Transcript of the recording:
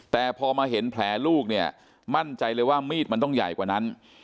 แต่พอมาเห็นแผลลูกเนี่ยมั่นใจเลยว่ามีดมันต้องใหญ่กว่านั้น